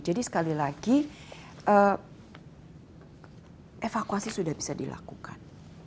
jadi sekali lagi evakuasi sudah bisa dilakukan